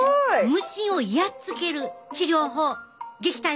無心をやっつける治療法撃退法何？